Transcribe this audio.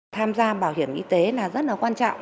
tham gia bảo hiểm y tế là rất là quan trọng